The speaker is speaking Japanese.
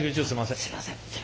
すいません。